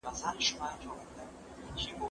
زه پرون پلان جوړ کړ!